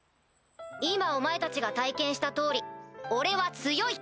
今お前たちが体験した通り俺は強い！